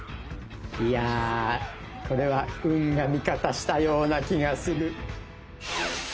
いやこれは運が味方したような気がする。